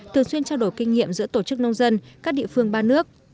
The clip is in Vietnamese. thường xuyên trao đổi kinh nghiệm giữa tổ chức nông dân các địa phương ba nước